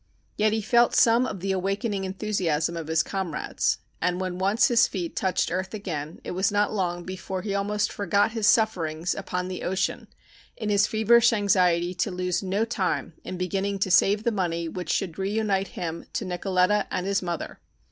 Yet he felt some of the awakening enthusiasm of his comrades, and when once his feet touched earth again it was not long before he almost forgot his sufferings upon the ocean in his feverish anxiety to lose no time in beginning to save the money which should reunite him to Nicoletta and his mother.